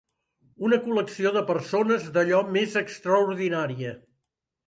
Una col·lecció de persones d'allò més extraordinària